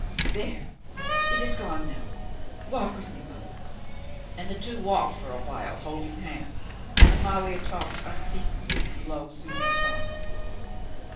"There, it is gone now. Walk with me, mother;" and the two walked for a while, holding hands, and Amalia talked unceasingly in low, soothing tones.